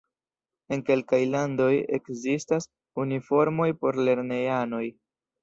En kelkaj landoj ekzistas uniformoj por lernejanoj.